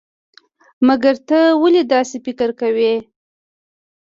مګر ته ولې داسې فکر کوئ؟